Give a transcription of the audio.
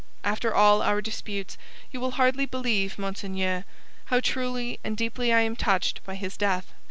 After all our disputes, you will hardly believe, Monseigneur, how truly and deeply I am touched by his death.